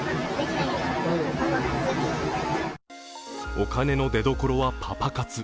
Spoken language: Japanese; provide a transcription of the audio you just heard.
お金の出どころはパパ活。